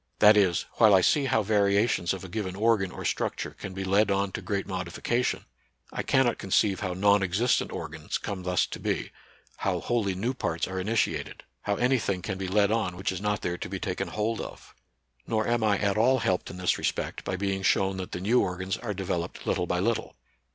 That is, while I see how variations of a given organ or structure can be led on to great modification, I cannot conceive how non existent organs come thus to be, how wholly new parts are initiated, how any thing can be led on which is not there to be taken hold of Nor am I at all helped in this respect by being shown that the new organs are developed little by little.